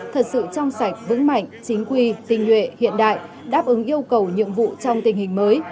thật sự trong sạch vững mạnh chính quy tình nguyện hiện đại đáp ứng yêu cầu nhiệm vụ trong tình hình mới